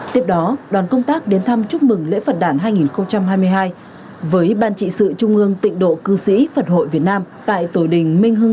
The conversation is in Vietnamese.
tiếp đó đoàn công tác đến thăm chúc mừng lễ phật đảng hai nghìn hai mươi hai với ban trị sự trung ương tịnh độ cư sĩ phật hội việt nam